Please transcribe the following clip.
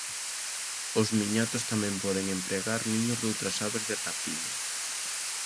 Os miñatos tamén poden empregar niños doutras aves de rapina.